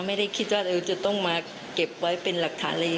ไม่ได้คิดว่าจะต้องมาเก็บไว้เป็นหลักฐานเลย